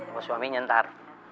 bapak suaminya ntar